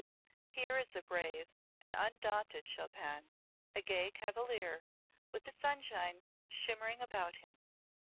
Here is a brave, an undaunted Chopin, a gay cavalier, with the sunshine shimmering about him.